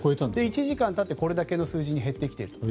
１時間たってこれだけの数字に減ってきていると。